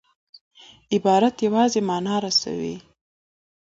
عبارت یوازي مانا رسوي.